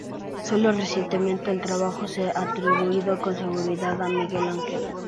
Solo recientemente el trabajo se ha atribuido con seguridad a Miguel Ángel.